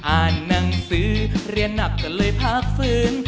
อ่านหนังสือเรียนหนักก็เลยพักฟื้น